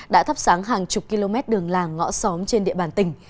đã thắp sáng hàng chục km đường làng ngõ xóm trên địa bàn tỉnh